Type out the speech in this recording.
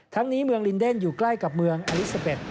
นี้เมืองลินเดนอยู่ใกล้กับเมืองอลิซาเบ็ด